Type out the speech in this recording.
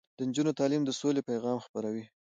د نجونو تعلیم د سولې پیغام خپروي.